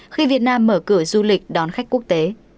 khi việt nam mở cửa du lịch đón khách quốc tế